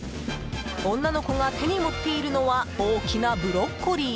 女の子が手に持っているのは大きなブロッコリー。